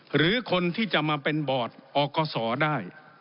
หรือคนที่จะมาเป็นบอร์ดอกศได้